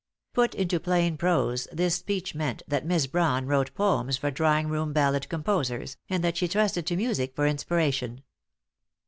Put into plain prose this speech meant that Miss Brawn wrote poems for drawing room ballad composers, and that she trusted to music for inspiration.